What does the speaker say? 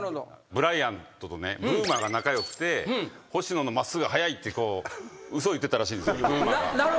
ブライアントとねブーマーが仲良くて星野の真っすぐが速いって嘘言ってたらしいんですブーマーが。